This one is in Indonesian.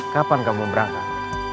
kapan kamu berangkat